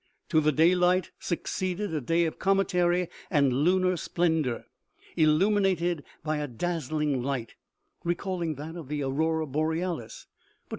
To the daylight succeeded a day of cometary and lunar splendor, illuminated by a dazzling light, recalling that of the aurora borealis, but OMEGA.